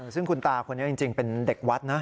ซึ่งคุณตาคนนี้จริงเป็นเด็กวัดนะ